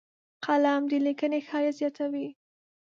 قلم د لیکنې ښایست زیاتوي